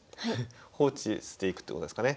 放置していくってことですかね。